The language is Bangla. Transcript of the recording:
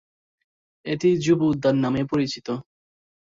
এটি যুব উদ্যান নামেও পরিচিত।